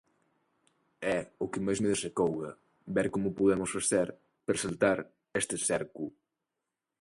É o que máis me desacouga, ver como podemos facer para saltar este cerco.